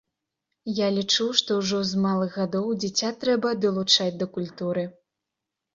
Я лічу, што ўжо з малых гадоў дзіця трэба далучаць да культуры.